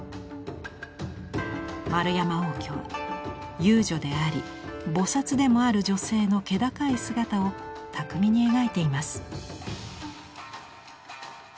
円山応挙は遊女であり菩薩でもある女性の気高い姿を巧みに描いています。